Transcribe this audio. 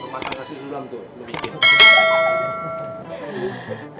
masak nasi sulam tuh